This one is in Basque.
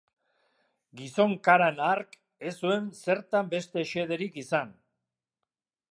Gizon karan hark ez zuen zertan beste xederik izan.